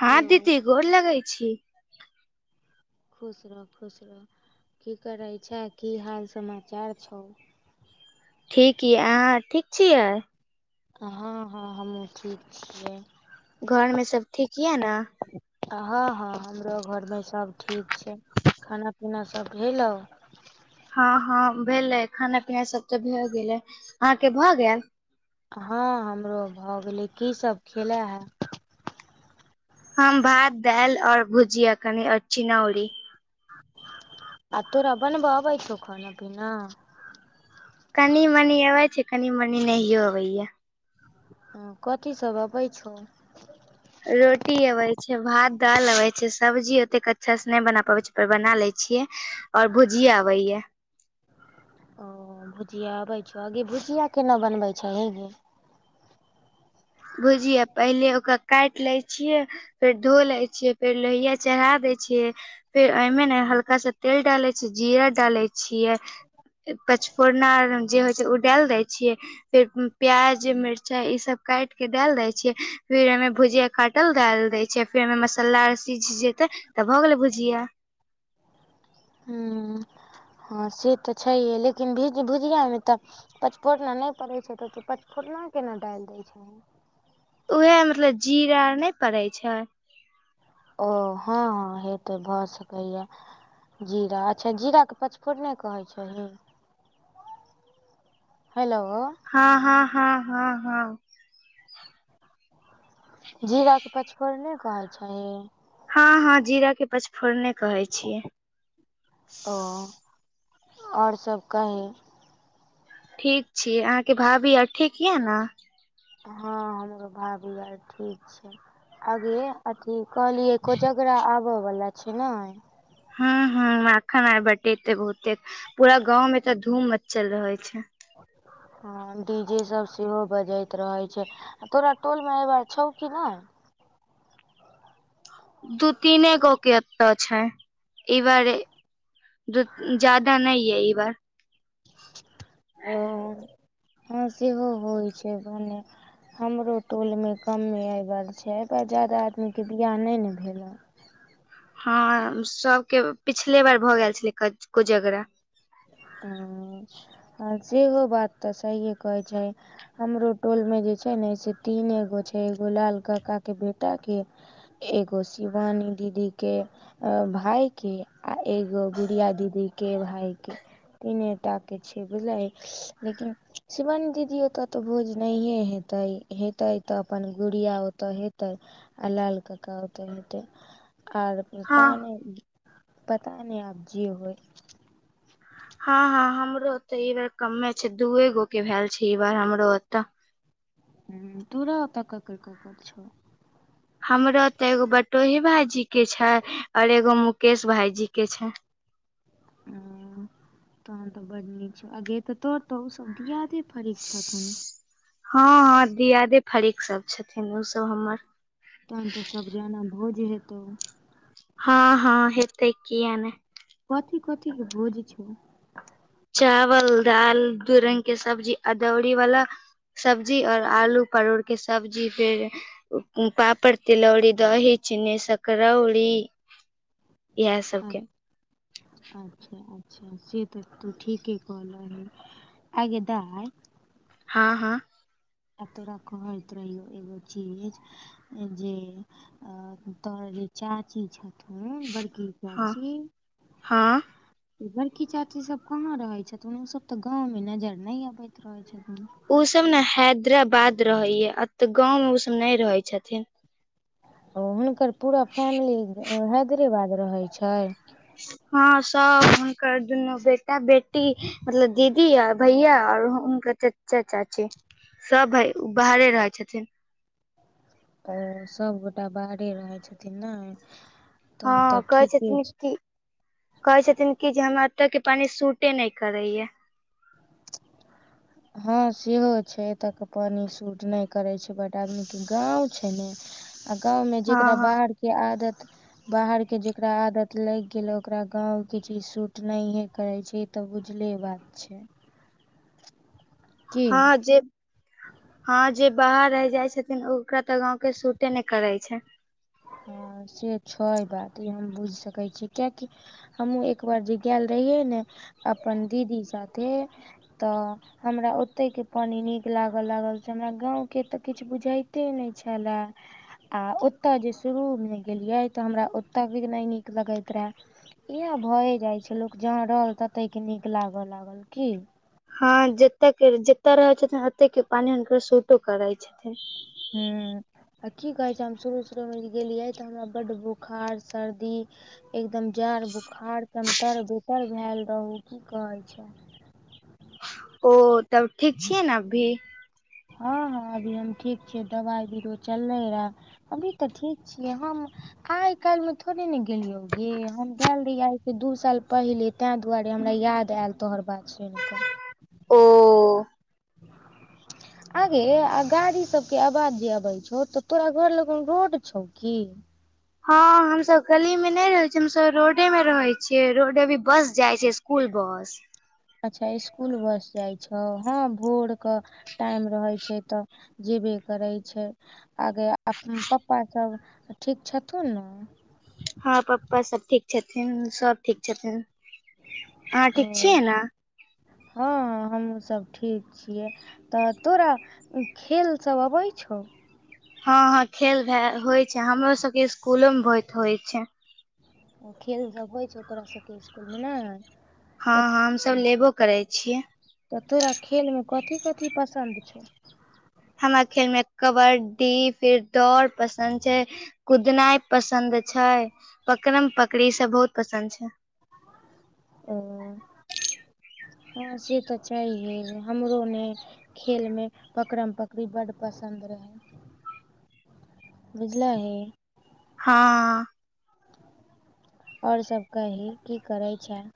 हां हेलो दीदी गोर लगै छी। खुश रहु खुश रहु। की करे छे की हाल समाचार छौ? ठीक यैए अहाँ ठीक छियै। हँ हँ हमहूँ ठीक छियै। घर मे सब ठीक यैए ने? हँ हँ हमरो घरमे सब ठीक छै। खाना पीना सब भेलौ? हँ हँ भेलै खाना पीना सब तऽ भए गेलै। अहाँके भऽ गेएल? हँ हमरो भऽ गेलै कीसभ खेलए है। हम भात, दाइल और भुजिया कनि और चिनौरी। आ तोरा बनबऽ अबै छौ खान पीना? कनि मनी अबै छै कनी मनी नहियो अबैया। ह कथी सब अबै छौ? रोटी अबै छै भात, दाल अबै छै सब्जी ओतेक अच्छा से नहि बना पाबै छियै पर बना लै छियै। और भुजिया आबैया। ओ भुजिया आबै छौ आगे भुजिया केना बनबै छही गे? भुजिया पहिले ओकरा कैट लै छियै फेर धो लै छियै फेर लोहिया चढ़ा दै छियै फेर ओइमे ने हल्का सा तेल डालै छियै जीरा डालै छियै पचफोरना जे होइ छै ओ डालि दय छियै फेर प्याज मिरचाई ई सब काटिके डालि दै छियै फिर ओहिमे भुजिया काटल डालि दै छियै फिर ओहिमे मसल्ला आर सिझ जेतै तऽ भऽ गेलै भुजिया। हूँ। हँ से तऽ छैहे लेकिन भिज भुजियामे तऽ पचफोरना नहि पड़ैत छै तऽ तु पचफोरना केना डालि दैत छही। उएह मतलब जीरा आर नहि पड़ै छै। ओ हँ हँ हेतऽ भऽ सकैया। जीरा अच्छा जीराके पचफोड़ने कहै छैही। हेलोउ। हँ हँ हँ हँ हँ। जीरा के पचफोरने कहै छही। हँ हँ जीरा के पचफोरने कहै छीयै। और सब कही। ठीक छीये अहाँके भाभी आर ठीक यऽ ना। हँ हमरो भावी आर ठीक छै आगे अथी कहलियै कोजागरा आबऽ वाला छै नै। हँ ह मखन आ बटेते बहुतेक पूरा गाँंव मे तऽ धूम मच्चल रहे छे। ह डी जे सब सेहो बजैत रहे छै। तोरा टोल मे अइ बार छौ कि नहि? दू तिनेे गो एतो छै ई बार ए दु जादा नयै अइ ई बार। ओ हँ सेहो होइ छै बने- हमरो टोलमे कमे एहिबर छै एहिबर जादा आदमीके बिआह नै ने भेलै। हँ सबके पिछले बेर भऽ गेल छेलेेै कोज-कोजगरा। हँ आ सेहो बात तऽ सहिए कहै छही। हमरो टोल में जेै छै ने से तीने गो छै एगो लाल कक्का के बेटा के- एगो शिवानी दीदी के- अ भाय के आ एगो गुड़िया दीदी के भाय के तीने टाके छै बुझलही लेकिन शिवानी दीदी ओतऽ तऽ भोज नहिए हेतै। हेतै तऽ अपन गुड़िया ओतऽ हेतै आ लाल कका ओतऽ हेतै। आर हँ पता नै पता नै आब जे होइ। हँ हँ हमरो ओते ई बार कमे छै दूए गो के भेल छै ई बार हमरो ओतऽ। हूँ तोरा ओतऽ ककर- ककर छौ? हमरा तऽ एगो बटोही भाईजी के छै और एगो मुकेश भाईजी के छै। हँ तहन तऽ बडिये छौ अगे तऽ तोर तऽ ओ सब दियादे- फरिक छथुन। हँ हँ दियादे फरीक सब छथिन उ सब हमर। तहन तऽ सब जाना भोज हेतौ? हँ हँ हेतेै किया ने- कथी -कथि के भोज छौ? चावल, दाल, दू रंग के सब्जी अदौरी वला। सब्जी और आलू परोड़के सब्जी फेर- पापड़, तिलौरी, दही, चिनी, सकरौड़ी इएह सबके- अच्छा- अच्छा से तऽ तू ठीके कहले रही। आँय गे दाय- हाँ, हाँ अ तोरा कहैत रहियौ एगो चीज- जे अ तोहर जे चाची छौ? हूँ बड़की हँ हँ भौजी- बड़की चाची सब कहाँ रहै छथून ओसब तऽ गाँवमे नजर नै अबैत रहैत छथून? ओ सब ने हैदराबाद रहैय एते गाँव में ओसब नै रहेै छथिन। ओ हुनकर पूरा फैमिली हैदरेबाद रहेै छै? हँ सब आहाँ के दुनो बेटा -बेटी। मतलब दीदी आ भैया और हुँनकर चच्चा -चाची। सब भाय बाहरे रहै छथिन। ओ सबगोटा बाहरे रहै छथिन नेै। हँ कहै छथिन कि- कहै छथिन कि जे हमरा एतऽ के पानी सूटे नहि करैये। हँ सेहो छै एतयके पानि सूट नहि करै छै बड आदमीके गाँव छै ने। आ गाँवमे हँ जेकरा हँ बाहरके आदत- बाहर के जेकरा आदत लैइग गेल ओकरा गाँंव के चीज सूट नहिये करै छै। तऽ बुझले बात छै‌। हँ जे- हँ जे बाहर रहि जाइ छथिन ओ ओकरा तऽ गाँंव के सूटे नहि करै छै। हँ से छै बात ई हम बुइझ सकै छी कियेकि- हमहुॅं एक बार जे गेएल रहियै ने अपन दीदी साथे तऽ हमरा ओतहि के पानी नीक लागऽ लागल से हमरा गाँव के त किछ बुझाइते नै छलेए। आ ओत्तऽ जे शुरू मे गेलियै त हमरा ओत्तऽ भी नै नीक लगैत रहेए। इहेए भए जाय छै लोक जहाॅं रहल ततै के नीक लागऽ लागल की? हँ जतऽ के जतऽ रहै छथिन ओतै के पानी हुनकर सूटो करैय छथिन। हूॅं आ की कहै छै हम शुरू- शुरू मे जे गेलियै तऽ हमरा बड्ड बोखार सर्दी एकदम जड़ बुखार एकदम तर- बेतर भेएल रहू की कहै छथि। ओ तब ठीक छियै ने अभी? हँ हँ अभी हम ठीक छियै दवाइ बीरो चललै रहे अभी तऽ ठीक छियै हम्म आइ काल्हि मे थोड़े ने गेलियो गे हम गेएल रहियै से दू साल पहिले तेंए दुवारे हमरा याद आयल तोहर बात सुनिकऽ। ओऽ। आं गै आ गाड़ी सबके आवाज जे अबै छौ तऽ तोरा घर लगन रोड छौ की? हँ हमसब गली में नै रहै छियै हमसब रोडे मे रहै छियै रोड मे अभी बस जाय छै स्कुल बस। अच्छा स्कुल बस जाइ छौ हँ भोर कऽ टाइम रहय छै तऽ जेबे करै छै। आ गै आ पप्पा सब ठीक छथुन नऽ? हँ पप्पा सब ठीक छथिन सब ठीक छथिन। अहाँ ह ठीक छियै ने हँ हमहूँ सब ठीक छियै। तऽ तोरा खेल सब अबै छौ? हँ हँ खेल भेए होइ छै हमरो सबके स्कूलो मे बहुत होइ छै। ओ खेल सब होइ छै तोरा सबके स्कुल मे नै? हँ हँ हमसब लेबो करै छियै। तऽ तोरा खेल मे कथी - कथी पसन्द छौ? हमरा खेल मे कबड्डी फिर दौड़ पसन्द छै। कुदनाइ पसन्द छै, पकड़म पकड़ी, इ सब बहुत पसन्द छै। ओ। हॅं से तऽ छैहे हमरो ने खेल मे पकरम- पकरी बड्ड पसन्द रहै। बुझलही। हँ। आओर सब कही की करै छें?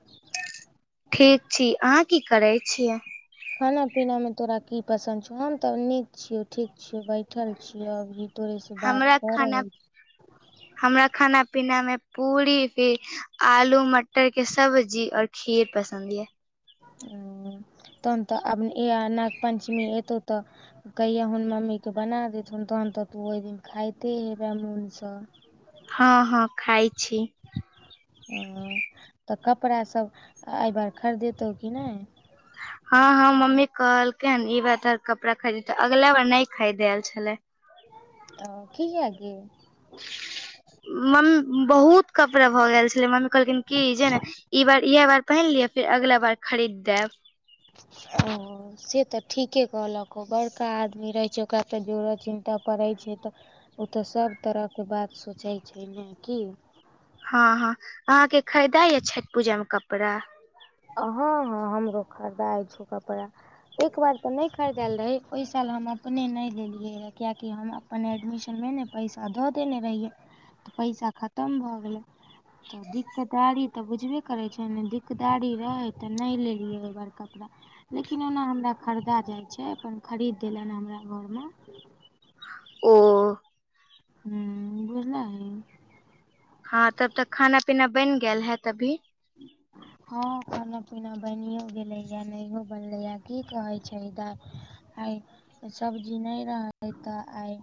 ठीक छी अहाँ की करै छियै? खाना- पीना मे तोरा की पसन्द छौ? हम तऽ नीक छियौ ठीक छियौ बैठल छियौ अभी। तोरे से बात हमरा कऽ खाना रहल छी। हमरा खाना - पीना मे पूरी फि आलू मट टर के सब्जी और खीर पसंद ये। ओ तहन तऽ आब इहेए नाग - पंचमी एतौ तऽ कहियहुन मम्मी के बनेए देथुन तहन तऽ तू ओइ दिन खाइते हेबें मोन सँ। हँ हँ खाइ छी। हॅं त कपड़ा सब अइ बार खरीदेतौ कि नै? हँ हँ मम्मी कहलकै हन ई बार त कपड़ा खरीदतै अगला बार नै खरीदेएल छलै। ओ किया गे? मम बहुत कपड़ा भऽ गेल छलै मने कहलखिन कि जे ने ई बार इएह बार पहिन लिअ फेर अगला बार खरीद देब। ओ। से तऽ ठीके कहलक ओ, बड़का आदमी रहै छै ओकरा तऽ जोड़य चिन्तऽ पड़ैत छै तऽ ओ तऽ सभ तरहके बात सोचै छै ने कि। हँ - हँ अहाँके खरीदाय ये छठ पूजा में कपड़ा। हँ- ह हमरो खरीदाइ छ कपड़ा। एकबार तऽ नहि खरीदल रहै, ओहि साल हम अपने नहि लेलियै रहऽ कियकि हम अपन एडमिशन में ने पैसा दऽ देने रहियै तऽ पैसा खतम भऽ गेलै। तऽ दिकदारी तऽ बुझबे करे छै ने, दिकदारी रहैै तऽ नहि लेलियै ओ बेर कपड़ा। लेकिन ओना हमरा खरीदा जाइ छै, अपन खरीद देलनि हमरा घर में। ओ। हूं बुझलही। हँ तब तऽ खाना पीना बनि गेल हैत अभी। ह हँ खाना पीना बनिओ गेलैए नहियो बनलैए की कहै छै दाय। आइ सब्जी नहि रहै तऽ आइ।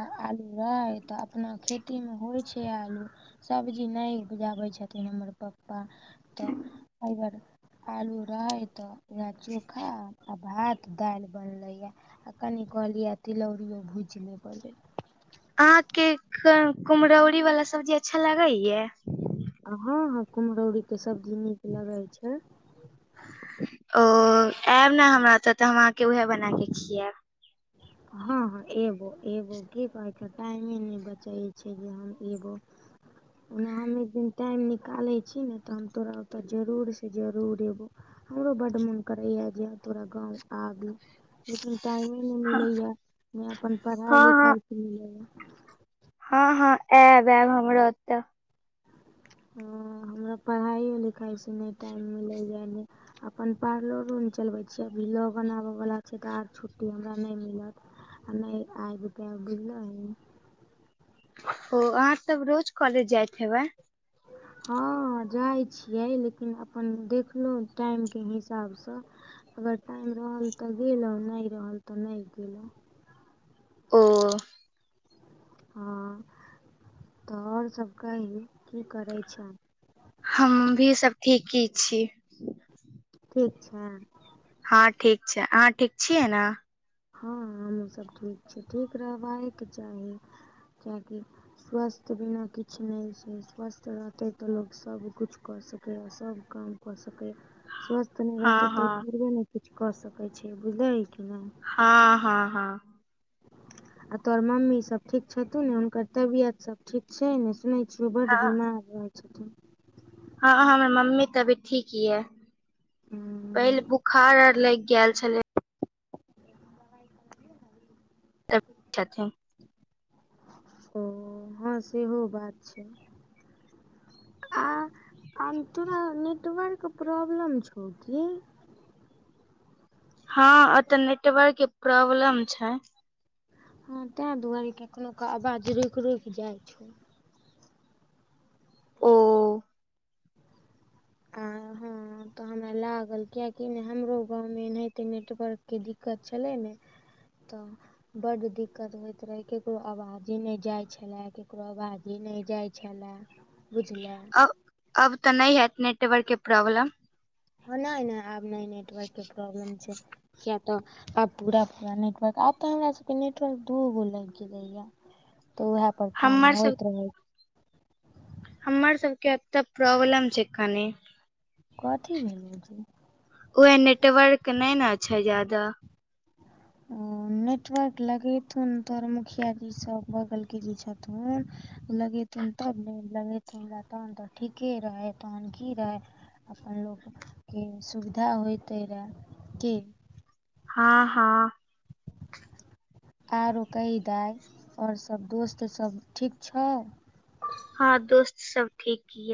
आ आलू रहै तऽ अपना खेती में होइत छै आलू। सबजी नहि उपजाबै छथिन हमर पप्पा तऽ एहिबेर आलू रहे तऽ वैह चोखा आ भात दालि बनले या। आ कनि कहलियै है, तिलौरो भूज ले अहाँके क- कुम्हरौरी वाला सब्जी अच्छा लागैया। हॅं -हॅं कुम्हरौरी के सब्जी नीक लगैत छै। ओ आयब ने हमरा ओतऽ तऽ हम आहाँ के उहै बनाके खियाब। हँ- हँ एबो- एबो की कहै छै टाइमे नहि बचै छै जे हम एबो। ओना हम एक दिन टाइम निकालै छी ने तऽ हम तोरा ओतऽ जरूरसँ जरूर अयबौ। हमरो बड्ड मोन करैए जे तोरा गाँंव आवी लेकिन टा मे नै मिलैया नै अपन पढ़ाई हँ हँ लिखाई के लियऽ हँ- हँ आयब- आयब हमरा ओतऽ। ह हमरा पढ़ाइो लिखाइसँ नहि टाइम में मिलयह नहि। अपन पार्लरोने चलबै छियै, बिलो बनाबऽ बला छै तऽ आर छुट्टी हमरा नहि मिलत। नै आएब पैब बुझलहिन। ओ अहाँ तब रोज कॉलेज जायत हेबै। ह हँ जाइ छियै लेकिन, अपन देखलहुँ टाइमके हिसाबसँ। अगर टाइम रहल तऽ गेलो, नहि रहल तऽ नहि गेलो। ओ। हँ तो और सभ कहीयो कि करै छै। हम भी सब ठीकी छी। ठीक छैं। हँ ठीक छैं, अहाँ ठीक छियै ने। हँ हमहूँसब ठीक छी ठीक रहबाकेके चाही किएकि स्वस्थ के बिना किछु नै छै। स्वस्थ रहतै तऽ लोक सबकिछु कऽ सकैए सब काम। कऽ सकैया। स्वस्थ नै हँ रहतै तऽ ओ हँ थोरबै न किछ कऽ सकैया बुझलेह कि न। हँ हँ हँ। आ तोहर मम्मी सब ठीक छतीन ने हुनकर तबियत सब ठीक छै ने सुनै छी बड हँ बीमार रहै छथुन। हँ हमर मम्मी के तबीयत ठीक ये। पहिले बुखार आर लइग गैल छले। छठिन। ओ हँ सेहो बात छै। आ अम तोरा नेटवर्क प्रॉब्लम छौ की? हँ अतऽ नेटवर्क के प्रॉब्लम छै। हँ तें दुआरे कखनो का आवाज रुक रुक जाइ छै। ओ। आ हँ। ह तऽ हमरा लागल किये कि नह हमरो गाँव मे एनहीइटो नेटवर्क के दिक्कत छलै ने तऽ बड्ड दिक्कत होइत रहै केकरो आवाजे नै जाइत छला केकरो आवाजे नै जाइत छला। अब अब तऽ नै हेत नेटवर्क के प्रॉब्लम? नै नै आब नै नेटवर्क के प्रॉब्लम छै। किया तऽ अब पूरा पूरा नेटवर्क अब तऽ हमरा सबके नेटवर्क दू गो लाइग गेलैया। तऽ उहेय पर काम हमर सब होइत रहै छै। हमर सबके ओतऽ प्रॉब्लम छै कनी। कथि भेलो से? उए नेटवर्क नै न छै जादा। अम्म। नेटवर्क लगेथुन तोहर मुखिया जी सब बगल के जे छथुन लगे थून तब ने लगेथून रा तहन तऽ ठीके रहै तहन की रहै अपन लोक की सुविधा होइते रहा की। हँ हँ। आरो कहि दाय और सब दोस्त सब ठीक छौ। हँ दोस्त सब ठीक ये।